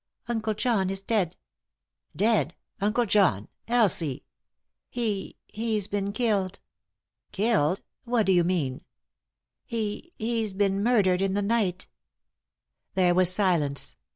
"Uncle John is dead." "Dead I Uncle John I Elsie!" " He— he's been killed." " Killed ? What do you mean i" " He — he's been murdered in the night" There was silence.